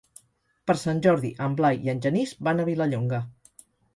Per Sant Jordi en Blai i en Genís van a Vilallonga.